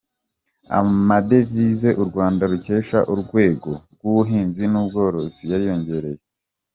Amadevize u Rwanda rukesha urwego rw’ubuhinzi n’ubworozi yariyongereye.